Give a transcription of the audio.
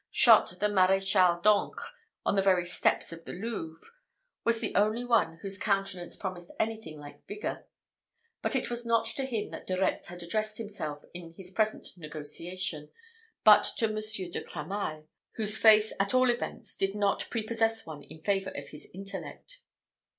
shot the Maréchal d'Ancre on the very steps of the Louvre, was the only one whose countenance promised anything like vigour; but it was not to him that De Retz had addressed himself in his present negotiation, but to Monsieur de Cramail, whose face at all events did not prepossess one in favour of his intellect.